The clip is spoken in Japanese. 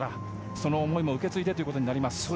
その思いも受け継いでということになります。